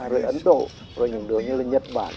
rồi ấn độ rồi những nước như là nhật bản